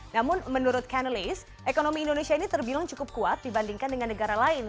namun menurut channelis ekonomi indonesia ini terbilang cukup kuat dibandingkan dengan negara lain